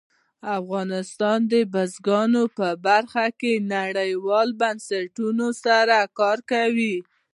افغانستان د بزګان په برخه کې نړیوالو بنسټونو سره کار کوي.